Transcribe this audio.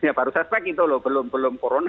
ya baru suspek itu loh belum belum corona